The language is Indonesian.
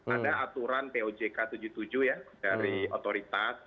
ada aturan pojk tujuh puluh tujuh ya dari otoritas